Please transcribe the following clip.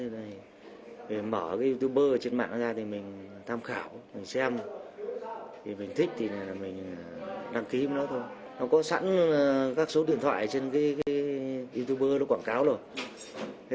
nó giới thiệu mặt hàng súng của nó thì mình thích là mình gọi ra cái suất điện thoại của nó thôi